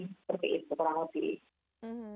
seperti itu kurang lebih